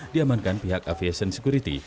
diamankan pihak aviation security